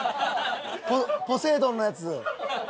ポセイドンのやつ。